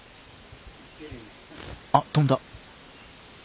あ飛んだ。